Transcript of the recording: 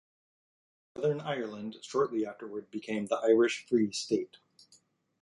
Southern Ireland shortly afterwards became the Irish Free State.